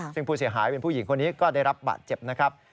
ซึ่งผู้เสียหายเป็นผู้หญิงคนนี้ก็ได้รับบาดเจ็บนะครับ